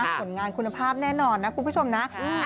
ผลงานคุณภาพแน่นอนนะคุณผู้ชมนะ